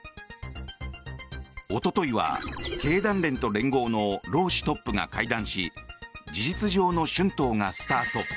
おとといは経団連と連合の労使トップが会談し事実上の春闘がスタート。